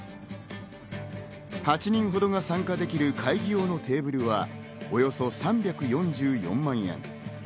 ８人ほどが参加できる会議用のテーブルは、およそ３４４万円。